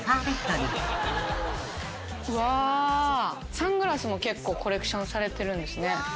サングラスも結構コレクションされてるんですね。